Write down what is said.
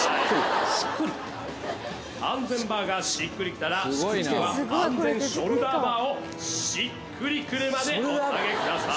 ・安全バーがしっくりきたら次は安全ショルダーバーをしっくりくるまでお下げください。